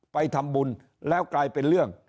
ไปทำบุญแล้วกลายเป็นเรื่อง